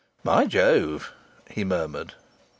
"By Jove!" he murmured.